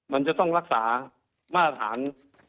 มันจะต้องรักษามาตรฐาน